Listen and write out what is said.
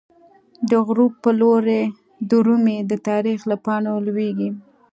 دغروب په لوری درومی، د تاریخ له پاڼو لویږی